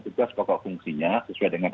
tugas pokok fungsinya sesuai dengan